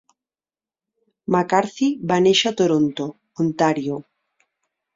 McCarthy va néixer a Toronto, Ontario.